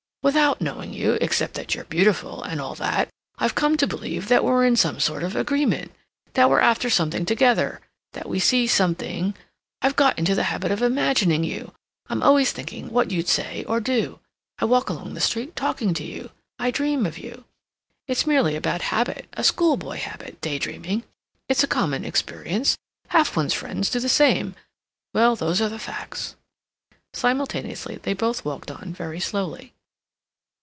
"Without knowing you, except that you're beautiful, and all that, I've come to believe that we're in some sort of agreement; that we're after something together; that we see something.... I've got into the habit of imagining you; I'm always thinking what you'd say or do; I walk along the street talking to you; I dream of you. It's merely a bad habit, a schoolboy habit, day dreaming; it's a common experience; half one's friends do the same; well, those are the facts." Simultaneously, they both walked on very slowly.